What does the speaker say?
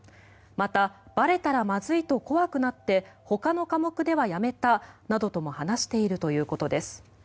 また、ばれたらまずいと怖くなってほかの科目ではやめたなどとも話しているということです。